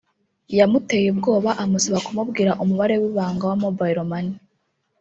yamuteye ubwoba amusaba kumubwira umubare w’ibanga wa Mobile Money